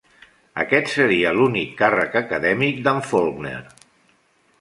Aquest seria l'únic càrrec acadèmic d'en Faulkner.